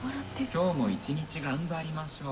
「今日も一日頑張りましょう」。